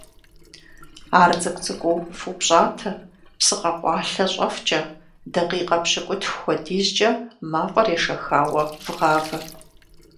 Ар цӀыкӀу-цӀыкӀуу фупщӀатэ, псы къэкъуалъэ щӀэфкӀэ, дакъикъэ пщыкӏутху хуэдизкӀэ мафӀэр ешэхауэ вгъавэ.